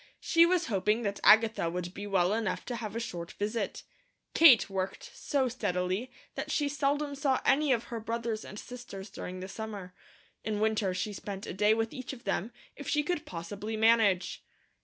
She was hoping that Agatha would be well enough to have a short visit. Kate worked so steadily that she seldom saw any of her brothers and sisters during the summer. In winter she spent a day with each of them, if she could possibly manage.